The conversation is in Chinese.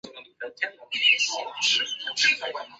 自己先试试看再说